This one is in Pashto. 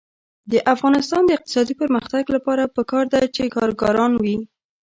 د افغانستان د اقتصادي پرمختګ لپاره پکار ده چې کارګران وي.